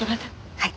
はい。